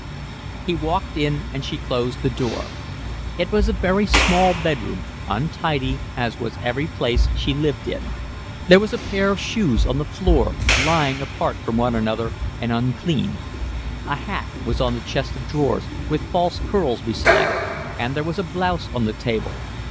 He walked in and she closed the door. It was a very small bed room, untidy as was every place she lived in; there was a pair of shoes on the floor, lying apart from one another and uncleaned; a hat was on the chest of drawers, with false curls beside it; and there was a blouse on the table.